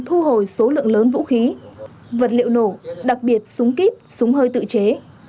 thu hồi số lượng lớn vũ khí vật liệu nổ đặc biệt súng kíp súng hơi tự chế